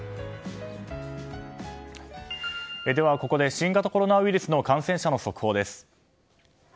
ここで新型コロナウイルスの感染者の速報です。